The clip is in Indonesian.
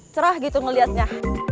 cerah gitu melihatnya